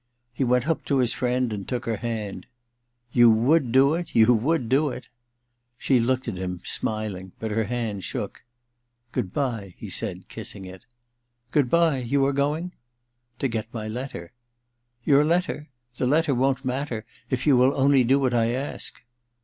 He went up to his friend and took her hand. * You would do it — you would do it !' She looked at him, smiling, but her hand shook. * Good bye,' he said, kissing it. * Good bye ? You are going ?'* To get my letter.* *Your letter? The letter won't matter, if you will only do what I ask.'